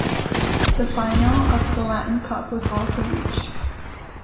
The final of the Latin Cup was also reached.